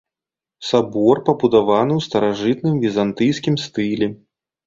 Сабор пабудаваны ў старажытным візантыйскім стылі.